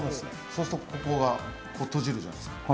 そうするとここが閉じるじゃないですか。